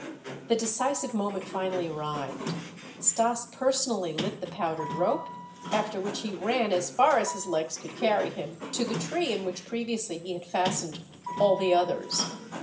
The decisive moment finally arrived. Stas personally lit the powdered rope, after which he ran as far as his legs could carry him to the tree in which previously he had fastened all the others.